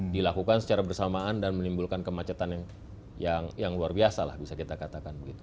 dilakukan secara bersamaan dan menimbulkan kemacetan yang luar biasa lah bisa kita katakan